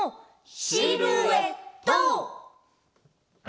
シルエット！